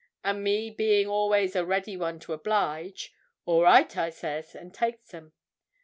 And me being always a ready one to oblige, 'All right!' I says, and takes 'em.